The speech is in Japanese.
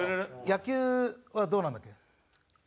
野球はどうなんだっけ？